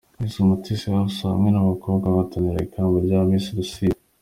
Miss Umutesi Afsa hamwe n'abakobwa bahataniraga ikamba rya Miss Rusizi.